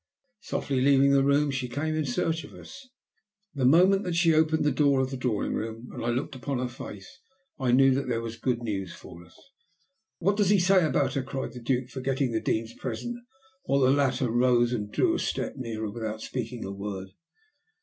Softly leaving the room, she came in search of us. The moment that she opened the door of the drawing room, and I looked upon her face, I knew that there was good news for us. "What does he say about her?" cried the Duke, forgetting the Dean's presence, while the latter rose and drew a step nearer, without speaking a word.